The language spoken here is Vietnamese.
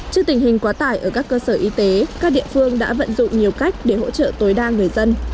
trước tình hình quá tải ở các cơ sở y tế các địa phương đã vận dụng nhiều cách để hỗ trợ tối đa người dân